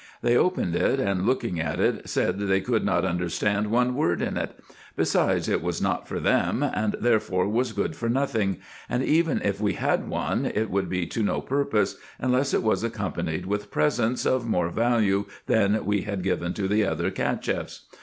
They opened it, and looking at it said they could not understand one word in it; besides it was not for them, and therefore was good for nothing, and even if we had one, it would be to no purpose, unless it was accompanied with presents of more value than we had given to the other Cacheffs.